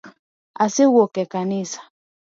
Ase wuok e kanisa